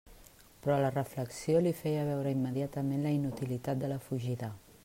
Però la reflexió li feia veure immediatament la inutilitat de la fugida.